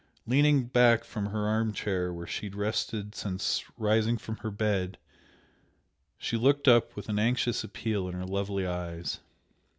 Leaning back from her arm chair where she had rested since rising from her bed, she looked up with an anxious appeal in her lovely eyes.